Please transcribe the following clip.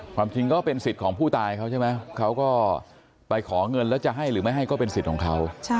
ความจริงก็เป็นสิทธิ์ของผู้ตายเขาใช่ไหมเขาก็ไปขอเงินแล้วจะให้หรือไม่ให้ก็เป็นสิทธิ์ของเขา